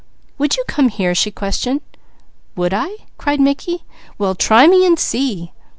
"Would you come here?" she questioned. "Would I?" cried Mickey. "Well try me and see!"